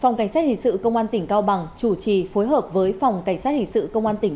phòng cảnh sát hình sự công an tỉnh cao bằng chủ trì phối hợp với phòng cảnh sát hình sự công an tỉnh